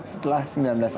setelah sembilan bulan